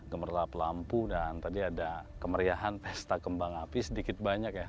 gemerlap lampu dan tadi ada kemeriahan pesta kembang api sedikit banyak ya